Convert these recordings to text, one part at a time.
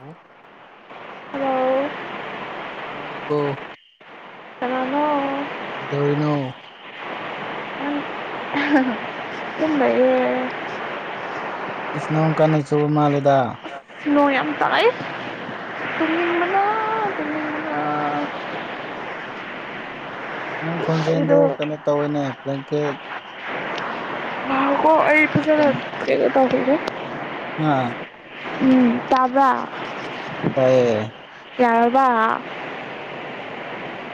ꯑꯣ ꯍꯥꯂꯣ ꯅꯨꯡꯉꯥꯏꯔꯤꯕꯣ ꯀꯅꯥꯅꯣ ꯀꯩꯗꯧꯔꯤꯅꯣ ꯑꯍꯥꯍꯥ ꯇꯨꯝ ꯂꯩꯌꯦ ꯏꯁ ꯅꯣꯡ ꯀꯟꯅꯥ ꯆꯨꯕꯥ ꯃꯥꯟꯂꯦꯗꯥ ꯅꯣꯡ ꯌꯥꯝ ꯇꯥꯏ ꯎꯝ ꯇꯨꯃꯅꯤꯡꯕꯅꯥ ꯑ ꯇꯨꯝꯅꯤꯡꯕꯅꯥ ꯅꯪ ꯈꯣꯟꯖꯦꯜꯗ ꯀꯩꯅꯣ ꯇꯧꯋꯤꯅꯦ ꯕꯂꯥꯡꯀꯦꯠ ꯉꯥ ꯈꯣꯀꯣ ꯑꯩ ꯐꯖꯅꯥ ꯊꯦꯉꯥ ꯇꯧꯔꯛ ꯀꯦꯀꯣ ꯑꯥ ꯎꯝ ꯇꯥꯕꯔꯥ ꯇꯥꯏꯌꯦ ꯌꯥꯔꯕ ꯌꯥꯔꯦ ꯌꯥꯔꯦ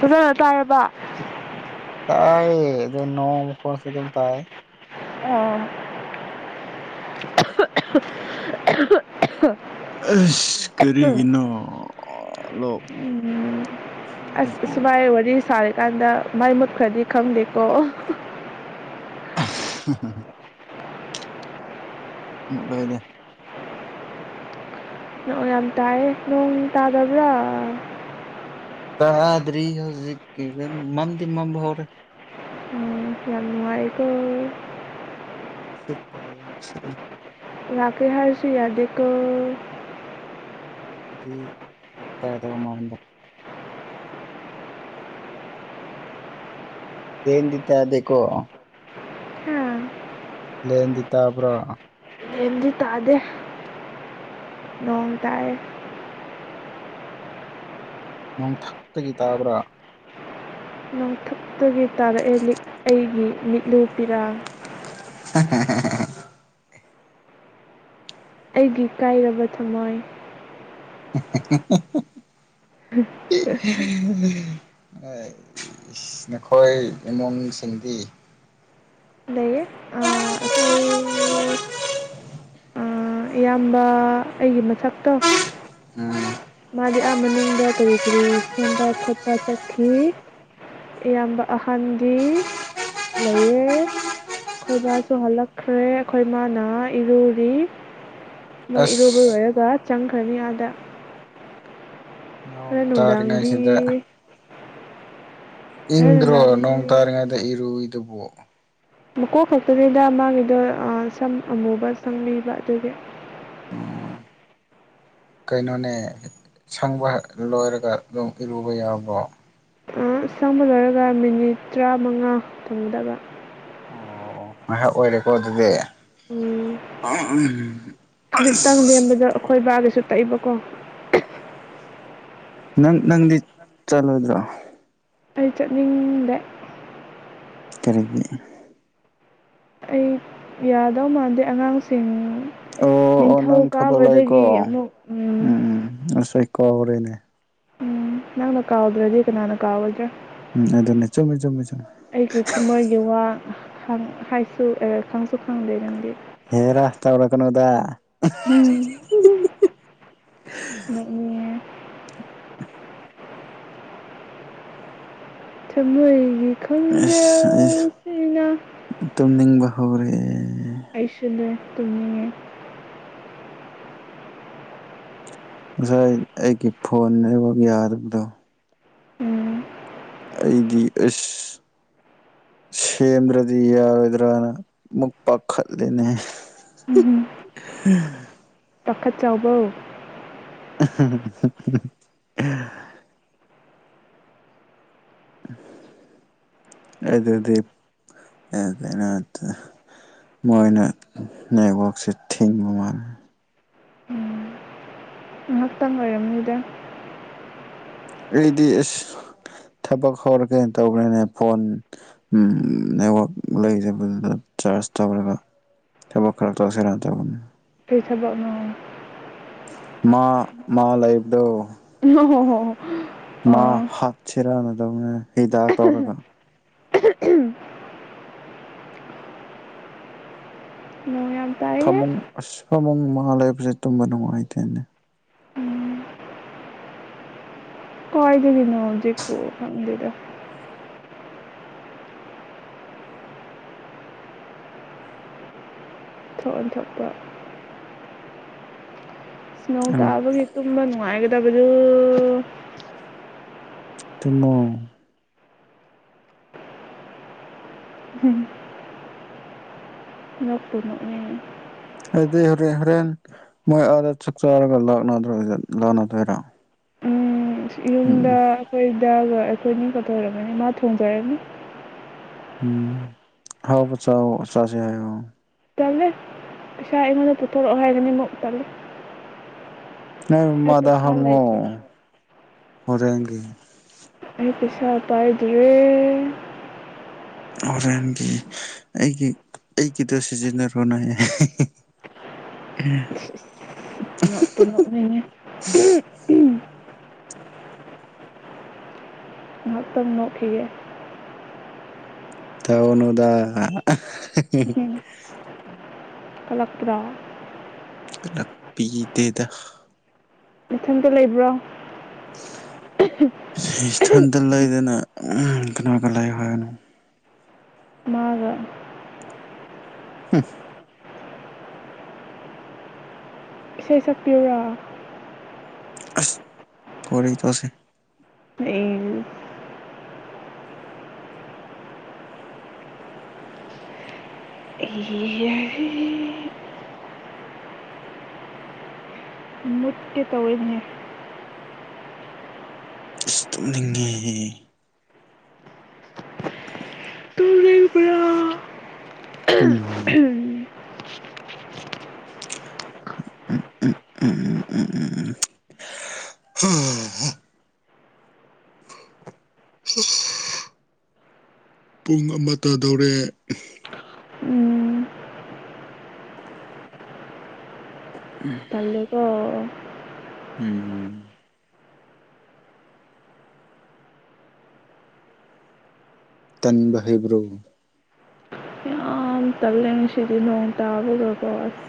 ꯐꯖꯅ ꯇꯔꯕ ꯇꯥꯏ ꯑꯗꯣ ꯅꯣꯡ ꯃꯈꯣꯟꯁꯨ ꯑꯗꯨꯝ ꯇꯥꯏ ꯑꯣ [unintelligible] ꯑꯁ ꯀꯔꯤꯒꯤꯅꯣ ꯑ ꯂꯣ ꯑꯁ ꯑꯁꯨꯃꯥꯏ ꯋꯥꯔꯤ ꯁꯔꯦ ꯀꯥꯟꯗ ꯃꯩ ꯃꯨꯠꯈ꯭ꯔꯗꯤ ꯈꯪꯗꯦꯀꯣ ꯍꯥꯍꯥ ꯃꯨꯠꯂꯣꯏꯗ ꯅꯣꯡ ꯌꯥꯝ ꯇꯥꯏ ꯅꯣꯡ ꯇꯥꯗꯕꯔꯥ ꯇꯥꯗꯔꯤ ꯍꯧꯖꯤꯛ ꯀꯤꯗꯤ ꯃꯥꯝꯗꯤ ꯃꯝꯕꯥ ꯍꯧꯔꯦ ꯌꯥꯝ ꯅꯨꯡꯉꯥꯏꯀꯣ ꯎꯝ ꯅꯨꯡꯁꯤꯠ ꯀꯥ ꯌꯥꯝ ꯁꯤꯠꯂꯤ ꯂꯥꯛꯀꯦ ꯍꯥꯏꯔꯁꯨ ꯌꯗꯦꯀꯣ ꯂꯥꯛ ꯑꯗꯤ ꯐꯔꯛ ꯇꯥꯗꯧ ꯃꯥꯟꯕ ꯂꯦꯟ ꯗꯤ ꯇꯥꯗꯦꯀꯣ ꯍꯥ ꯂꯦꯟ ꯗꯤ ꯇꯕꯔꯥ ꯂꯦꯟ ꯗꯤ ꯇꯥꯗꯦ ꯅꯣꯡ ꯇꯥꯏ ꯅꯣꯡꯊꯛꯇꯒꯤ ꯇꯥꯕꯔ꯭ ꯅꯣꯡꯊꯛꯇꯒꯤ ꯇꯥꯔꯛꯑꯦ ꯂꯤꯛ ꯑꯩꯒꯤ ꯃꯤꯠꯂꯨ ꯄꯤꯔꯥꯡ ꯑꯥꯍꯥꯍꯥꯍꯥ ꯑꯩꯒꯤ ꯀꯥꯏꯔꯕ ꯊꯝꯃꯣꯏ ꯑꯍꯦꯍꯦꯍꯦ [inaudible] ꯑꯥꯢ ꯢꯁ ꯅꯈꯣꯏ ꯅꯣꯡ ꯁꯤꯡꯗꯤ ꯑ ꯑꯈꯣꯏ ꯏꯌꯥꯝꯕ ꯑꯩꯒꯤ ꯃꯊꯛꯇꯣ ꯎꯝ ꯃꯥꯗꯤ ꯑꯥ ꯃꯅꯨꯡꯗ ꯀꯔꯤ ꯀꯔꯤ ꯁꯦꯝꯕ ꯈꯣꯠꯄ ꯆꯠꯈꯤ ꯏꯌꯥꯝꯕ ꯑꯍꯟꯗꯤ ꯂꯩꯌꯦ ꯑꯩꯈꯣꯏꯕꯥꯁꯨ ꯍꯜꯂꯛꯈ꯭ꯔꯦ ꯑꯩꯈꯣꯏ ꯏꯃꯥꯅ ꯏꯔꯨꯔꯤ ꯃꯣꯏ ꯏꯔꯨꯕ ꯑꯁ ꯂꯣꯏꯔꯒ ꯆꯪꯈ꯭ꯔꯅꯤ ꯑꯥꯗ ꯍꯣꯔꯦꯟ ꯅꯣꯡ ꯅꯨꯡꯗꯥꯡꯗꯤ ꯇꯥꯔꯤꯉꯩꯁꯤꯗ ꯍꯣꯔꯦꯟ ꯏꯪꯗ꯭ꯔꯣ ꯅꯣꯡ ꯅꯨꯡꯗꯥꯡꯗꯤ ꯇꯥꯔꯤꯉꯩꯗ ꯏꯔꯨꯏꯗꯨꯕꯨ ꯃꯀꯣꯛ ꯈꯛꯇꯅꯤꯗ ꯃꯥꯒꯤꯗꯣ ꯑꯥ ꯁꯝ ꯑꯃꯨꯕ ꯁꯪꯕꯤꯕ ꯑꯗꯨꯒꯤ ꯎꯝ ꯀꯩꯅꯣꯅꯦ ꯁꯪꯕ ꯂꯣꯏꯔꯒ ꯑꯗꯨꯝ ꯏꯔꯨꯕ ꯌꯥꯕ꯭ꯔꯣ ꯑꯥ ꯁꯪꯕ ꯂꯣꯏꯔꯒ ꯃꯤꯅꯤꯠ ꯇꯔꯥꯃꯉꯥ ꯊꯪꯝꯒꯗꯕ ꯑꯣ ꯉꯥꯏꯍꯥꯛ ꯑꯣꯏꯔꯦꯀꯣ ꯑꯗꯨꯗꯤ ꯎꯝ ꯈꯖꯤꯛꯇꯪ ꯑꯁ ꯂꯦꯝꯕꯗ ꯑꯩꯈꯣꯏ ꯕꯥꯒꯤꯁꯨ ꯇꯩꯕꯀꯣ ꯅꯪ ꯅꯪꯗꯤ ꯆꯠꯂꯣꯏꯗ꯭ꯔꯣ ꯑꯩ ꯆꯠꯅꯤꯡꯗꯦ ꯀꯔꯤꯒꯤ ꯑꯩ ꯌꯥꯗꯧ ꯃꯥꯟꯗꯦ ꯑꯉꯥꯡꯁꯤꯡ ꯑꯣ ꯑꯣ ꯅꯪ ꯅꯤꯡꯊꯧ ꯊꯕꯛ ꯂꯩꯀꯣ ꯀꯥꯕꯗꯒꯤ ꯎꯝ ꯑꯃꯨꯛ ꯎꯝ ꯉꯁꯣꯏ ꯀꯥꯎꯔꯦꯅꯦ ꯎꯝ ꯅꯪꯅ ꯀꯥꯎꯗ꯭ꯔꯗꯤ ꯀꯅꯥꯅ ꯀꯥꯎꯒꯗ꯭ꯔꯥ ꯎꯝ ꯑꯗꯨꯅꯦ ꯆꯨꯝꯃꯦ ꯆꯨꯝꯃꯦ ꯆꯨꯝꯃꯦ ꯈꯪ ꯍꯥꯏꯁꯨ ꯑꯦ ꯈꯪꯁꯨ ꯈꯪꯗꯦ ꯅꯪꯗꯤ ꯍꯦꯔꯥ ꯇꯧꯔꯛꯀꯅꯣꯗ ꯎꯝ ꯅꯣꯛꯅꯤꯡꯉꯦ ꯊꯝꯃꯣꯏꯒꯤ ꯑꯁ ꯑꯩꯁ ꯇꯨꯝꯅꯤꯡꯕ ꯍꯧꯔꯦꯟ ꯑꯩꯁꯨꯅꯦ ꯇꯨꯝꯅꯤꯡꯉꯦ ꯉꯁꯥꯏ ꯑꯩꯒꯤ ꯐꯣꯟ ꯅꯦꯠꯋꯥꯛ ꯌꯥꯗꯕꯗꯣ ꯎꯝ ꯑꯩꯗꯤ ꯑꯁ ꯁꯦꯝꯗ꯭ꯔꯗꯤ ꯌꯥꯔꯣꯏꯗ꯭ꯔꯅ ꯑꯃꯨꯛ ꯄꯥꯈꯠꯂꯦꯅꯦ ꯄꯥꯈꯠꯆꯥꯎꯕꯧ ꯍꯥ ꯍꯥ ꯑꯗꯨꯗꯤ ꯑ ꯀꯩꯅꯣ ꯃꯣꯏꯅ ꯅꯦꯠꯋꯥꯛ ꯁꯦ ꯊꯤꯡꯕ ꯃꯥꯟꯂꯦ ꯎꯝ ꯉꯥꯏꯍꯥꯛꯇꯪ ꯑꯣꯏꯔꯝꯅꯤꯗ ꯑꯩꯗꯤ ꯑꯁ ꯊꯕꯛ ꯍꯧꯔꯒꯦ ꯇꯧꯈ꯭ꯔꯦꯅꯦ ꯐꯣꯟ ꯅꯦꯠꯋꯥꯛ ꯂꯩꯖꯕꯗꯨꯗ ꯆꯥꯔꯖ ꯇꯧꯔꯒ ꯊꯕꯛ ꯈꯔ ꯇꯧꯁꯤꯔꯅ ꯇꯧꯕꯅꯦ ꯀꯩ ꯊꯕꯛꯅꯣ ꯃꯥ ꯃꯥ ꯂꯩꯕꯗꯣ ꯍꯣ ꯍꯣ ꯍꯣ ꯃꯥ ꯍꯥꯞꯁꯤꯔꯅ ꯇꯧꯅꯦ ꯍꯤꯗꯥꯛ ꯇꯧꯔꯒ [unintelligible] ꯅꯣꯡ ꯌꯥꯝ ꯇꯥꯏꯌꯦ ꯊꯃꯨꯡ ꯑꯁ ꯐꯃꯨꯡ ꯃꯥꯉꯥ ꯂꯩꯕꯁꯦ ꯇꯨꯝꯕ ꯅꯨꯡꯉꯥꯏꯇꯦꯅꯦ ꯎꯝ ꯀꯥꯏꯗꯒꯤ ꯅꯣꯡꯖ ꯄꯨ ꯈꯪꯗꯦꯗ ꯊꯣꯛ ꯑꯣꯟꯊꯣꯛꯄ ꯅꯣꯡ ꯑꯉꯛ ꯇꯥꯕꯒꯤ ꯇꯨꯝꯕ ꯅꯨꯡꯉꯥꯏꯒꯗ ꯗꯕꯗꯨ ꯎꯎꯎꯎꯎꯎꯎꯎ ꯇꯨꯝꯃꯣ ꯎꯝ ꯅꯣꯛꯄꯨ ꯅꯣꯛꯅꯤꯡꯑ ꯑꯩꯗꯤ ꯍꯣꯔꯦꯟ ꯍꯣꯔꯦꯟ ꯃꯣꯏ ꯑꯥꯗ ꯆꯥꯛ ꯆꯥꯔꯒ ꯂꯥꯛꯅꯗ꯭ꯔꯣꯏꯌꯦ ꯂꯥꯅꯗꯣꯏꯔꯥ ꯎꯝ ꯌꯨꯝꯗ ꯑꯩꯈꯣꯏꯗ ꯂꯣꯏ ꯑꯩꯈꯣꯏꯅꯤ ꯀꯗ ꯑꯣꯏꯔꯕꯅꯤ ꯃꯥ ꯊꯣꯡꯖꯔꯅꯤ ꯎꯝ ꯑꯍꯥꯎꯕ ꯆꯥꯎꯋꯣ ꯆꯥꯁꯦ ꯍꯥꯏꯌꯣ ꯇꯜꯂꯦ ꯄꯩꯁꯥ ꯑꯩꯉꯣꯟꯗ ꯄꯨꯊꯣꯔꯛꯑꯣ ꯍꯥꯏꯒꯅꯤ ꯃꯨꯛ ꯇꯜꯂꯦ ꯅꯣꯏ ꯑꯩ ꯃꯥꯃꯥꯗ ꯄꯩꯁꯥ ꯍꯪꯉꯣ ꯂꯩꯇ꯭ꯔꯦ ꯍꯣꯔꯦꯟꯒꯤ ꯑꯩ ꯄꯩꯁꯥ ꯄꯥꯏꯗ꯭ꯔꯦ ꯍꯣꯔꯦꯟꯒꯤ ꯑꯩꯒꯤ ꯑꯩꯒꯤꯗ ꯁꯤꯖꯤꯟꯅꯔꯨꯅꯦ ꯍꯦ ꯍꯦ ꯅꯣꯛꯄꯨ ꯅꯣꯛꯅꯤꯡꯒꯦ ꯉꯥꯏꯍꯥꯛꯇꯪ ꯅꯣꯛꯈꯤꯒꯦ ꯇꯧꯅꯨꯗꯥ ꯀꯂꯛꯄ꯭ꯔ ꯀꯂꯛꯄꯤꯗꯦꯗ ꯃꯊꯟꯗ ꯂꯩꯕ꯭ꯔꯣ ꯁꯤ ꯏꯇꯟꯇ ꯂꯩꯗꯅ ꯎꯃ ꯀꯅꯥꯒꯥ ꯂꯩꯌꯣ ꯍꯥꯏꯅꯣ ꯃꯥꯒ ꯍꯨꯝ ꯏꯁꯩ ꯁꯛꯄꯤꯌꯨꯔꯥ ꯑꯁ ꯑꯣꯏꯔꯤ ꯇꯁ [unintelligible] ꯏ ꯏ ꯌꯥ ꯏ ꯎꯠꯀ ꯇꯧꯔꯤꯉꯦ ꯏꯁ ꯇꯨꯝꯅꯤꯡꯉꯦꯍꯦ ꯇꯨꯝꯅꯤꯡꯕ꯭ꯔꯥ ꯎꯝ ꯎꯝ ꯎꯝ ꯎꯝ ꯎꯝ ꯎꯝ ꯎꯝ ꯎꯝ ꯍ [inaudible] ꯄꯨꯡ ꯑꯃ ꯇꯥꯗꯧꯔꯦ ꯎꯝ ꯇꯜꯂꯦꯀꯣ ꯎꯝ ꯇꯟꯕ ꯍꯩꯕ꯭ꯔꯣ ꯌꯥꯝ ꯇꯟꯂꯦ ꯉꯁꯤꯗꯤ ꯅꯣꯡ ꯇꯥꯕꯒꯀꯣ ꯑꯁ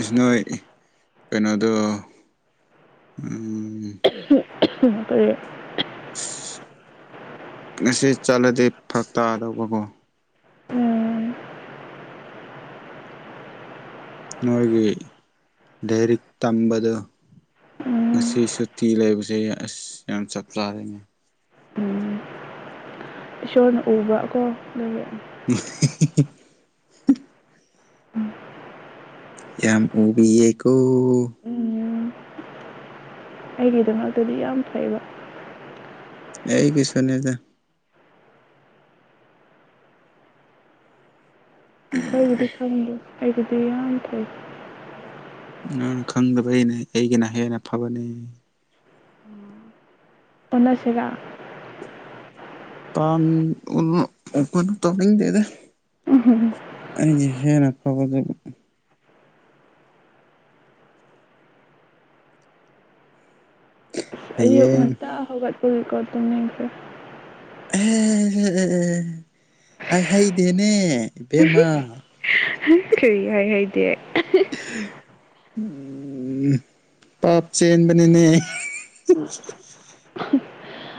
ꯏꯁ ꯅꯣꯏ ꯀꯩꯅꯣꯗꯣ ꯑꯨꯝ ꯎꯝ ꯉꯁꯤ ꯆꯠꯂꯗꯤ ꯐꯔꯛꯇꯥꯗꯧꯕꯀꯣ ꯎꯝ ꯅꯣꯏꯒꯤ ꯂꯥꯏꯔꯤꯛ ꯇꯝꯕꯗꯣ ꯎꯝ ꯉꯁꯤ ꯁꯨꯇꯤ ꯂꯩꯕꯁꯦ ꯑꯁ ꯌꯥꯝ ꯆꯞ ꯆꯥꯔꯦꯅꯦ ꯎꯝ ꯏꯁꯣꯔꯅ ꯎꯕ ꯀꯣ ꯑꯗꯨꯅ ꯑ ꯍꯤ ꯍꯤ ꯌꯥꯝ ꯎꯕꯤꯌꯦꯀꯣ ꯎꯝ ꯑꯩꯒꯤꯗꯃꯛꯇꯗꯤ ꯌꯥꯝ ꯐꯩꯌꯦꯕ ꯑꯦ ꯑꯩꯒꯤꯁꯨꯅꯦꯗ ꯏꯈꯪꯗꯤ ꯈꯪꯗꯦ ꯑꯩꯒꯤꯗꯤ ꯌꯥꯝ ꯐꯩ ꯅ ꯈꯪꯗꯕꯩꯅꯦ ꯑꯩꯒꯤꯅ ꯍꯦꯟꯅ ꯐꯕꯅꯦ ꯑꯣꯟꯅ ꯁꯦꯔ ꯀꯥꯡ [unintelligible] ꯇꯥꯅꯤꯡꯗꯦꯗ ꯑꯩꯅ ꯍꯦꯟꯅ ꯏꯂꯤꯖꯤꯕꯤꯂꯤ ꯑꯥꯌꯨꯛ ꯍꯌꯦꯡ ꯉꯟꯇꯥ ꯍꯧꯒꯠ ꯎꯝ ꯀꯣ ꯇꯨꯝꯅꯤꯡꯗꯔꯦ ꯑꯍꯦ ꯍꯦ ꯑꯦ ꯑꯦ ꯑꯦ ꯍꯥꯏ ꯍꯩꯗꯦꯅꯦ ꯏꯕꯦꯝꯃ ꯀꯩ ꯍꯥꯢ ꯍꯥꯢꯗꯦ ꯎꯨꯝ ꯄꯥꯞ ꯆꯦꯟꯕꯅꯤꯅꯦ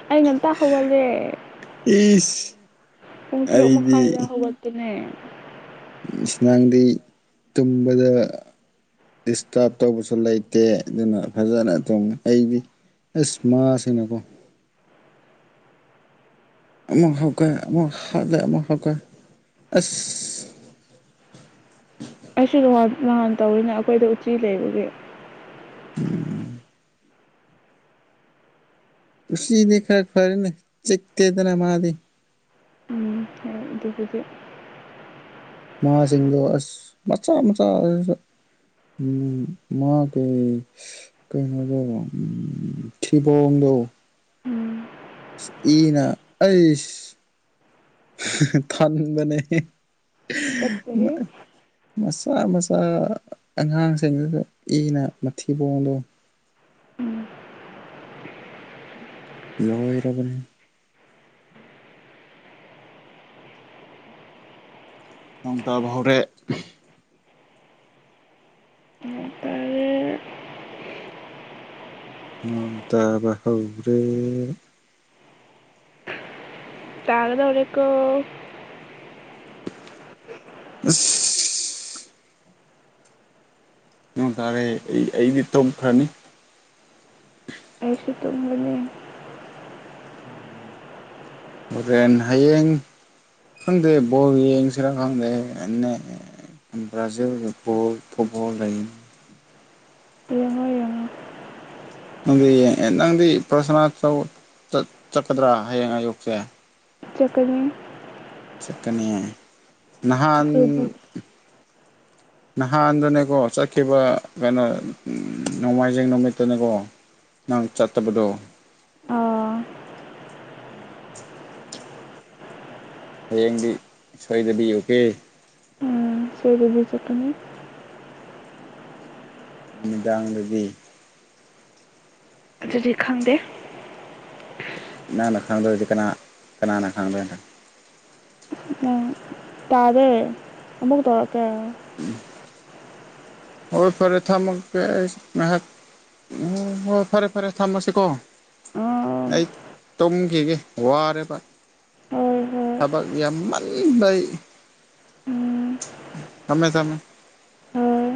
ꯑꯩ ꯉꯟꯇꯥ ꯍꯧꯒꯠꯂꯦ [inaudible] ꯄꯨꯡ ꯇꯔꯨꯛ ꯑꯩꯗꯤ ꯃꯈꯥꯏꯗ ꯍꯧꯒꯠꯄꯅꯦ ꯏꯁ ꯅꯥꯗꯤ ꯇꯨꯝꯕꯗ ꯗꯤꯁꯇ꯭ꯔꯕ ꯇꯧꯕꯁꯨ ꯂꯩꯇꯦ ꯑꯗꯨꯅ ꯐꯖꯅ ꯇꯨꯝꯃꯦ ꯑꯩꯗꯤ ꯑꯁ ꯃꯥꯁꯤꯡꯅꯀꯣ ꯑꯃꯨꯛ ꯍꯧꯒꯠ ꯑꯃꯨꯛ ꯍꯥꯠꯂꯦ ꯑꯃꯨꯛ ꯍꯧꯒꯠ ꯑꯁ ꯑꯩꯁꯨ ꯅꯨꯉ ꯅꯍꯥꯟ ꯇꯧꯔꯤꯅꯦ ꯑꯩꯈꯣꯏꯗꯣ ꯎꯆꯤ ꯂꯩꯕꯒꯤ [unintelligible] ꯎꯆꯤꯗꯤ ꯈꯔ ꯐꯔꯦꯅꯦ ꯆꯤꯛꯇꯦꯗꯅ ꯃꯥꯗꯤ ꯎꯝ ꯍꯣꯏ ꯑꯗꯨꯕꯨꯗꯤ ꯃꯥꯁꯤꯡꯗꯣ ꯑꯁ ꯃꯆꯥ ꯃꯆꯥ ꯑꯗꯨꯁꯨ ꯎꯨꯝ ꯃꯥꯒꯤ ꯀꯩꯅꯣꯗꯣ ꯊꯤꯕꯣꯡꯗꯣ ꯎꯝ ꯏꯁ ꯏꯅ ꯑꯩꯁ ꯊꯟꯕꯅꯦ ꯇꯨꯀꯠꯆꯩꯍꯦ [unintelligible] ꯃꯆꯥ ꯃꯆꯥ ꯑꯉꯥꯡꯁꯤꯡꯗꯨꯁꯨ ꯏꯅ ꯃꯊꯤꯕꯣꯡꯗꯣ ꯎꯝ ꯂꯣꯏꯔꯕꯅꯦ ꯅꯣꯡ ꯇꯥꯕ ꯍꯧꯔꯦ ꯇꯥꯔꯦ ꯅꯣꯡ ꯇꯥꯕꯥ ꯍꯧꯔꯦ ꯇꯥꯒꯗꯧꯔꯦꯀꯣ ꯑꯁ ꯅꯣꯡ ꯇꯥꯔꯦ ꯑꯩ ꯑꯩꯗꯤ ꯇꯧꯈ꯭ꯔꯅꯤ ꯑꯩꯁꯨ ꯇꯨꯝꯃꯅꯤ ꯍꯣꯔꯦꯟ ꯍꯌꯦꯡ ꯈꯪꯗꯦ ꯕꯣꯜ ꯌꯦꯡꯁꯦꯔꯥ ꯈꯪꯗꯦ ꯑꯟꯅ ꯑ ꯕ꯭ꯔꯥꯖꯤꯜꯒ ꯐꯨꯕꯣ ꯐꯨꯠꯕꯜ ꯂꯩ ꯌꯦꯡꯉꯣ ꯌꯦꯡꯉꯣ ꯅꯪꯗꯤ ꯑ ꯅꯪꯗꯤ ꯄ꯭ꯔꯁꯅꯥ ꯇꯧ ꯆꯠ ꯆꯠꯀꯗ꯭ꯔꯥ ꯍꯌꯦꯡ ꯑꯌꯨꯛꯁꯦ ꯆꯀꯅꯤ ꯆꯀꯅꯤꯌꯦ ꯅꯍꯥꯟ ꯁꯣꯏꯗꯤ ꯅꯍꯥꯟꯗꯣꯅꯦꯀꯣ ꯆꯠꯈꯤꯕ ꯀꯦꯅꯣ ꯅꯣꯃꯥꯏꯖꯤꯡ ꯅꯨꯃꯤꯠꯇꯨꯅꯦꯀꯣ ꯅꯪ ꯆꯠꯇꯕꯗꯣ ꯎꯝ ꯍꯌꯦꯡꯗꯤ ꯁꯣꯏꯗꯕꯤ ꯑꯣꯀꯦ ꯁꯣꯏꯗꯕꯤ ꯆꯠꯀꯅꯤ ꯅꯨꯃꯤꯗꯥꯡꯗꯗꯤ ꯑꯗꯨꯗꯤ ꯈꯪꯗꯦ ꯅꯪꯅ ꯈꯪꯗꯗꯤ ꯀꯅꯥ ꯀꯅꯥꯅ ꯈꯪꯗꯣꯏꯅꯣ ꯎꯝ ꯇꯥꯔꯦ ꯑꯃꯨꯛ ꯇꯧꯔꯛꯀꯦ [inaudible] ꯍꯣꯏ ꯐꯔꯦ ꯊꯝꯃꯒꯦ ꯑꯩ ꯉꯥꯏꯍꯥꯛ ꯍꯣꯏ ꯐꯔꯦ ꯐꯔꯦ ꯊꯝꯃꯁꯤꯀꯣ ꯑꯥ ꯑꯩ ꯇꯨꯝꯒꯤꯒꯦ ꯋꯥꯔꯦꯕ ꯍꯣꯏ ꯍꯣꯏ ꯊꯕꯛ ꯌꯥꯝꯃꯟꯕꯩ ꯎꯝ ꯊꯃꯦ ꯊꯃꯦ ꯍꯣꯏ